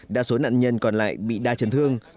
đa số nạn nhân còn lại bị đa chấn thương